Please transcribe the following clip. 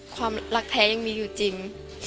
ความรักแท้ยังมีอยู่จริง